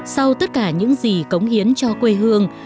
sau tất cả những gì cống hiến cho quê hương